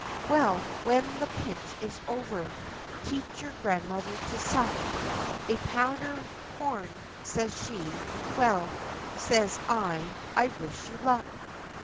Well, when the pinch is over 'Teach your Grandmother to suck A powder horn,' says she Well, says I, I wish you luck.